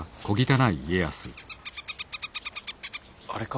あれか。